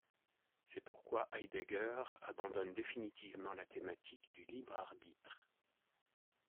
C'est pourquoi Heidegger abandonne définitivement la thématique du libre-arbitre.